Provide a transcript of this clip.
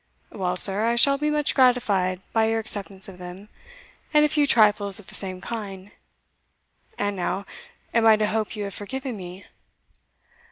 "Well, sir, I shall be much gratified by your acceptance of them, and a few trifles of the same kind. And now, am I to hope you have forgiven me?"